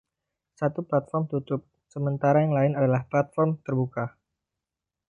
Satu platform tertutup, sementara yang lain adalah platform terbuka.